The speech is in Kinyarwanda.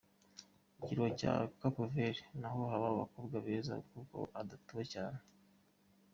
Ikirwa cya cape Vert naho haba abakobwa beza n’ubwo hadatuwe cyane.